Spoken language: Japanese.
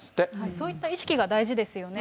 そういった意識が大事ですよね。